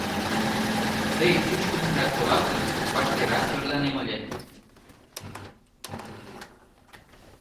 — Тый чӱчкыдынрак толат гын, вашкерак тӧрланем ыле...